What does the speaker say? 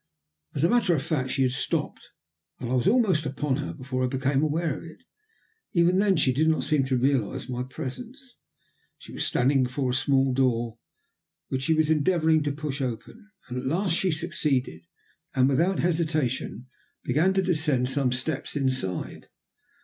As a matter of fact she had stopped, and I was almost upon her before I became aware of it. Even then she did not seem to realize my presence. She was standing before a small door, which she was endeavouring to push open. At last she succeeded, and without hesitation began to descend some steps inside.